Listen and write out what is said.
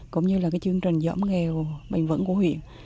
cũng như là chương trình dõm nghèo bền vững của huyện